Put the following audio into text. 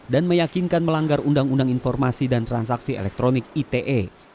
meyakinkan melanggar undang undang informasi dan transaksi elektronik ite